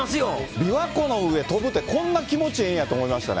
琵琶湖の上飛ぶってこんな気持ちええんやと思いましたね。